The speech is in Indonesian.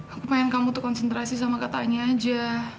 aku pengen kamu tuh konsentrasi sama katanya aja